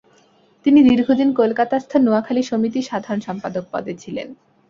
তিনি দীর্ঘদিন কলকাতাস্থ নোয়াখালী সমিতির সাধারণ সম্পাদক পদে ছিলেন।